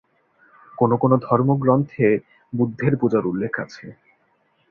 কোনো কোনো ধর্মগ্রন্থে বুদ্ধের পূজার উল্লেখ আছে।